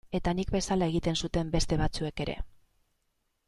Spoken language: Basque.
Eta nik bezala egiten zuten beste batzuek ere.